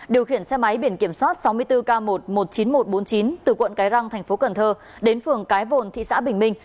điều khiển xe máy biển kiểm soát sáu mươi bốn k một một mươi chín nghìn một trăm bốn mươi chín từ quận cái răng tp cn đến phường cái vồn thị xã bình minh